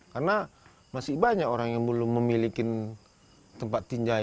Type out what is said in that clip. karena masih banyak orang yang belum memiliki tempat tinjai